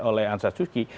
oleh angsa tzu chi